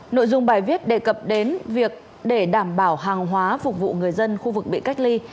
nội dung bài viết đề cập đến việc để đảm bảo hàng hóa phục vụ người dân khu vực bị cách ly